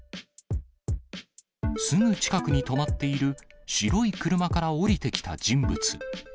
すぐ近くに止まっている白い車から降りてきた人物。